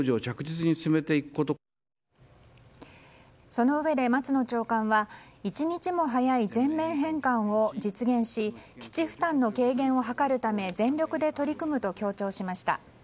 そのうえで松野長官は一日も早い全面返還を実現し基地負担の軽減を図るため全力で取り組むと強調しました。